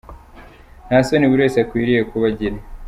Nta soni buri wese akwiriye kuba agira.